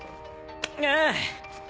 ああ。